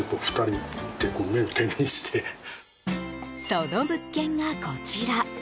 その物件がこちら。